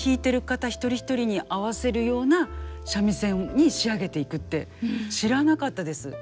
一人一人に合わせるような三味線に仕上げていくって知らなかったです。